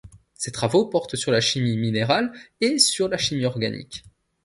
Ses travaux portent sur la chimie minérales et sur la chimie organique.